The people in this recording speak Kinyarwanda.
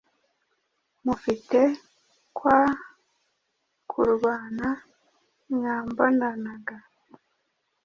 mufite kwa kurwana mwambonanaga”